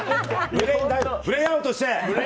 ブレインアウトして！